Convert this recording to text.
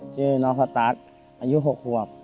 ชื่อน้องสะด๊าทอายุ๖ควบ